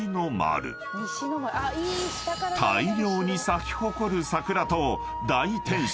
［大量に咲き誇る桜と大天守］